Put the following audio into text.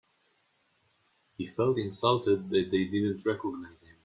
He felt insulted that they didn't recognise him.